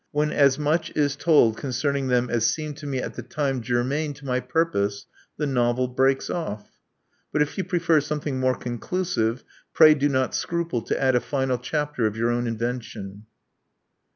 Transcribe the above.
When as much is told concerning them as seemed to me at the time germane to my purpose, the novel breaks off. But if you pre fer something more conclusive, pray do not scruple to add a final chapter of your own invention.